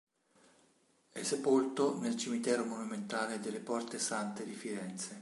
È sepolto nel Cimitero Monumentale delle Porte Sante di Firenze.